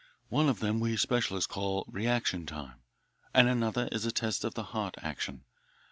One of them we specialists call reaction time, and another is a test of heart action.